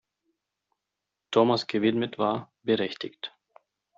Thomas gewidmet war, berechtigt.